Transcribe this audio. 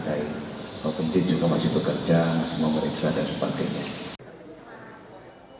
kalau masih bekerja semua pemeriksaan dan sebagainya